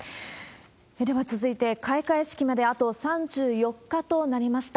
では続いて、開会式まであと３４日となりました。